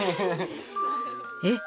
えっ？